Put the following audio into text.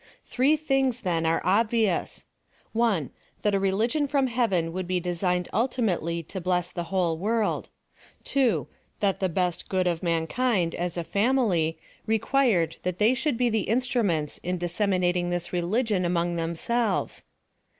Three things, then, are obvious: 1. That a religion from heaven would be designed ultimately to bless the whole world. 2. That the best good of mankind, as a family, required that they should be the instruments in disseminating this religion among themselves.